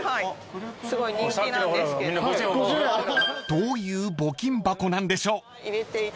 ［どういう募金箱なんでしょう］